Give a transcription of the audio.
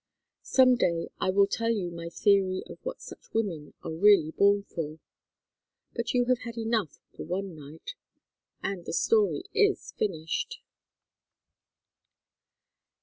Some day I will tell you my theory of what such women are really born for, but you have had enough for one night and the story is finished."